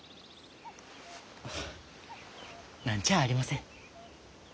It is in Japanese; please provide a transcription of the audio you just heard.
あ何ちゃあありません。